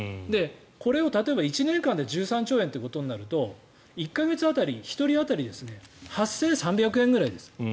これを例えば、１年間で１３兆円ということになると１か月当たり１人当たり８３００円くらいです。